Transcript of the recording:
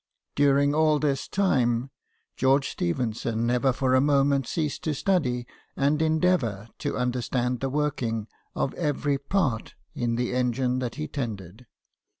E>uring all this time, George Stephenson never for a moment ceased to study and en deavour to understand the working of every part in the engine that he tended.